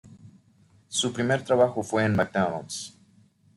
Su primer trabajo fue en McDonald's.